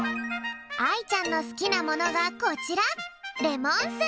あいちゃんのすきなものがこちら